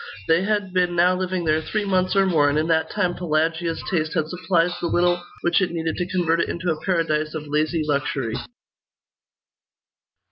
They had been now living there three months or more, and in that time Pelagia's taste had supplied the little which it needed to convert it into a paradise of lazy luxury.